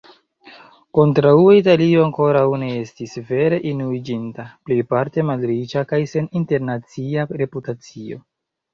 Kontraŭe Italio ankoraŭ ne estis vere unuiĝinta, plejparte malriĉa kaj sen internacia reputacio.